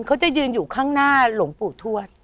เขาจะยืนอยู่ข้างหน้าหลวงปู่ทวด